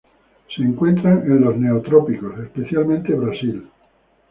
Se encuentran en los Neotrópicos especialmente en Brasil.